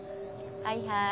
はいはい。